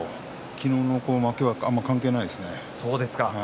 昨日の負けはあまり関係ないですね。